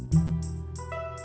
gak ada apa apa